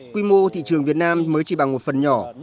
quy mô thị trường việt nam mới chỉ bằng một phần nhỏ